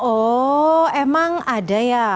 oh emang ada ya